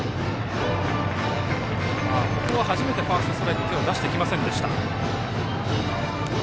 初めてファーストストライクに手を出してきませんでした。